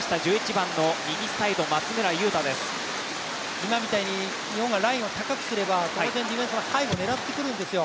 今みたいに日本がラインを高くすれば、当然ディフェンスは背後を狙ってくるんですよ。